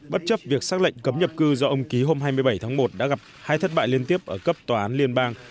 bất chấp việc xác lệnh cấm nhập cư do ông ký hôm hai mươi bảy tháng một đã gặp hai thất bại liên tiếp ở cấp tòa án liên bang